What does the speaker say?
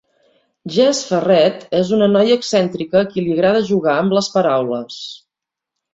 Jess Ferret és una noia excèntrica a qui li agrada jugar amb les paraules.